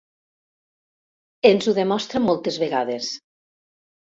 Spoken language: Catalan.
Ens ho demostra moltes vegades.